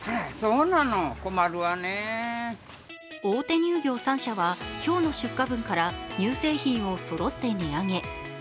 大手乳業３社は今日の出荷分から乳製品をそろって値上げ。